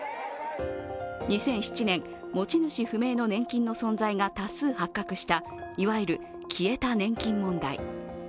２００７年、持ち主不明の年金の存在が多数発覚した、いわゆる消えた年金問題。